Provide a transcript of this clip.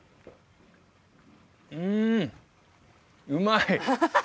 うんうまい！